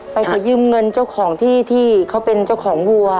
ไปขอยืมเงินเจ้าของที่ที่เขาเป็นเจ้าของวัว